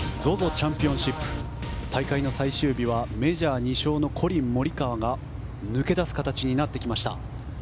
チャンピオンシップ大会の最終日はメジャー２勝のコリン・モリカワが抜け出す形になってきました。